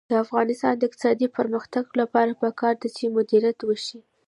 د افغانستان د اقتصادي پرمختګ لپاره پکار ده چې مدیریت وشي.